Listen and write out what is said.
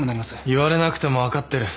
言われなくても分かってる。